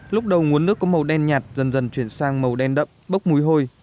lúc đầu nguồn nước có màu đen nhạt dần dần chuyển sang màu đen đậm bốc mùi hôi